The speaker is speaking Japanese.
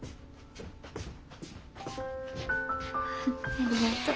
ありがとう。